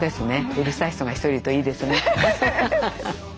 うるさい人が一人いるといいですね。